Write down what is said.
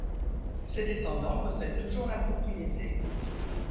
Ses descendants possèdent toujours la propriété.